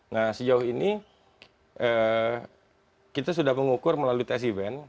nah sejauh ini kita sudah mengukur melalui tes event